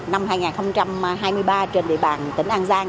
năm hai nghìn hai mươi ba trên địa bàn tỉnh an giang